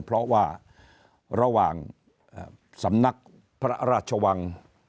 เพราะว่าระหว่างสำนักพระราชวัง